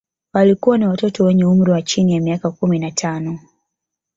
Walikuwa ni watoto wenye umri wa chini ya miaka kumi na tano